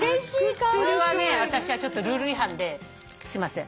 私はちょっとルール違反ですいません